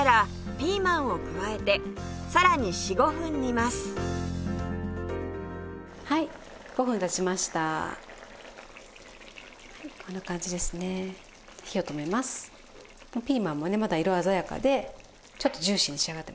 ピーマンもねまだ色鮮やかでちょっとジューシーに仕上がってますね。